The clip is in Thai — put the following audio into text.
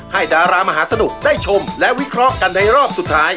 ดารามหาสนุกได้ชมและวิเคราะห์กันในรอบสุดท้าย